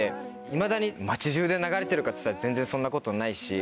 いまだに街じゅうで流れてるかっつったら全然そんなことないし。